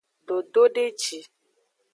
Dododeji.